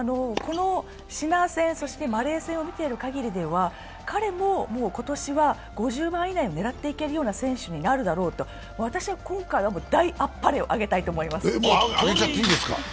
シナー戦、マリー戦を見ているかぎりでは、彼も今年は５０番以内を狙っていけるような選手になれるだろうと、私は今回は大あっぱれをあげたいと思います。